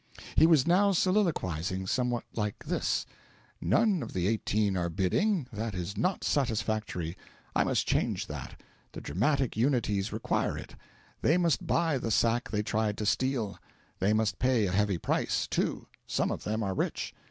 He was now soliloquising somewhat like this: 'None of the Eighteen are bidding; that is not satisfactory; I must change that the dramatic unities require it; they must buy the sack they tried to steal; they must pay a heavy price, too some of them are rich.